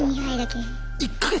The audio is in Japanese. １か月？